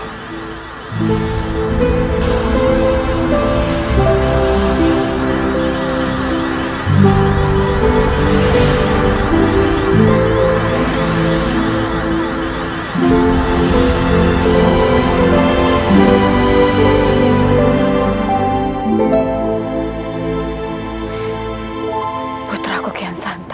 dan mencari kemampuan untuk menjaga kemampuan kita